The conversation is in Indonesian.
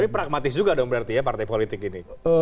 tapi pragmatis juga dong berarti ya partai politik ini